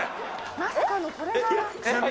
まさかのこれが。